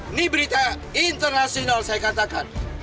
ini berita internasional saya katakan